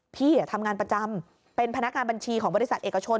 พี่ทำงานประจำเป็นพนักงานบัญชีของบริษัทเอกชน